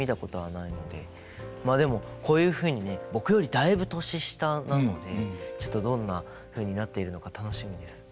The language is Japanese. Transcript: まあでもこういうふうにね僕よりだいぶ年下なのでちょっとどんなふうになっているのか楽しみです。